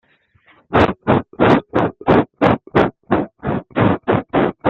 Les porteurs de la première lettre impériale arrivent le suivant.